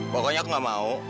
pokoknya aku nggak mau